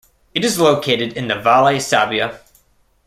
It is located in the Valle Sabbia.